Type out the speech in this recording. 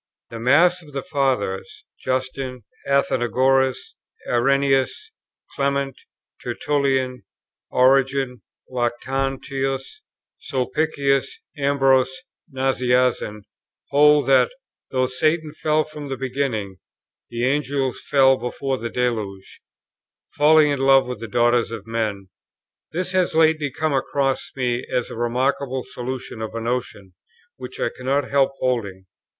The mass of the Fathers (Justin, Athenagoras, Irenæus, Clement, Tertullian, Origen, Lactantius, Sulpicius, Ambrose, Nazianzen,) hold that, though Satan fell from the beginning, the Angels fell before the deluge, falling in love with the daughters of men. This has lately come across me as a remarkable solution of a notion which I cannot help holding.